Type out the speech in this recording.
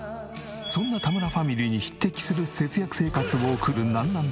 そんな田村ファミリーに匹敵する節約生活を送るなん